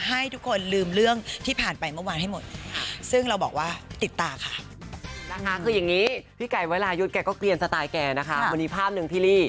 ให้ทุกคนลืมเรื่องที่ผ่านไปเมื่อวานให้หมด